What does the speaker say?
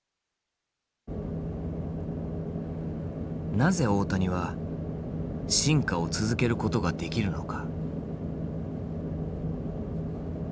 なぜ大谷は進化を続けることができるのか。